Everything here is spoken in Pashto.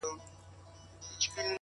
دا غمى اوس له بــازاره دى لوېـدلى;